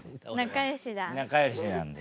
仲よしなんですよ。